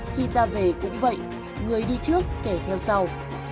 khi ra về cũng vậy người đi trước kể theo sau